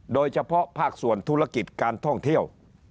โดยเฉพาะภาคส่วนธุรกิจการท่องเที่ยว